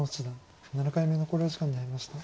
孫七段７回目の考慮時間に入りました。